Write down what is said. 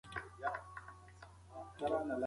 ده ته اجازه ورکړل شوه چې خپل ټول سامان له ځان سره یوسي.